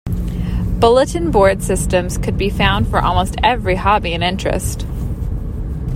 Bulletin Board Systems could be found for almost every hobby and interest.